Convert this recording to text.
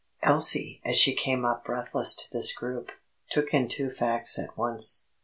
Elsie, as she came up breathless to this group, took in two facts at once.